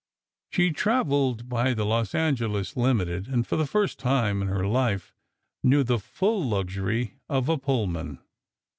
She traveled by the Los Angeles Limited, and for the first time in her life, knew the full luxury of a Pullman.